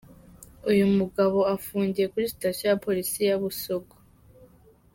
Uyu mugabo afungiye kuri sitasiyo ya polisi ya Busogo.